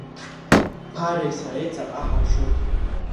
Ԥареи сареи ҵаҟа ҳаԥшуп…